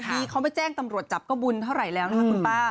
ดีเขาไม่แจ้งตำรวจจับก็บุญเท่าไหร่แล้วนะคะคุณป้า